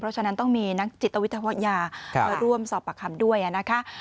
เพราะฉะนั้นต้องมีนักจิตวิทยามาร่วมสอบปากคำด้วยนะคะ